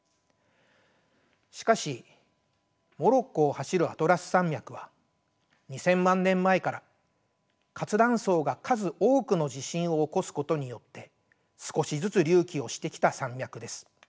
しかしモロッコを走るアトラス山脈は２，０００万年前から活断層が数多くの地震を起こすことによって少しずつ隆起をしてきた山脈です。